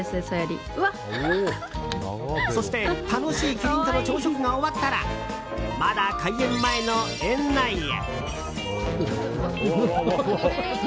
そして楽しいキリンとの朝食が終わったらまだ開園前の園内へ。